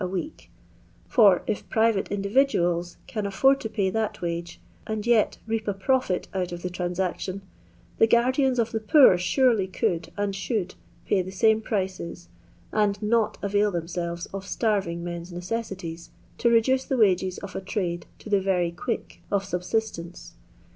a week; for if private individuals can afford to pay that wage, and yet reap a profit out of the transaction, Uie guardians of the poor surely could and should pay the same prices, and not avail themselves of starving men's necessities to reduce the wages of a trade to the very quick of subsistence.